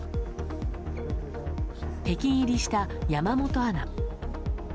北京入りした山本アナ。